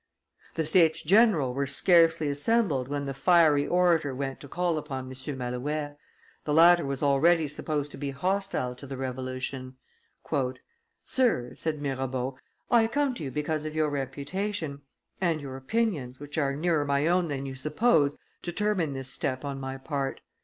The States general were scarcely assembled when the fiery orator went to call upon M. Malouet. The latter was already supposed to be hostile to the revolution. "Sir," said Mirabean, "I come to you because of your reputation; and your opinions, which are nearer my own than you suppose, determine this step on my part.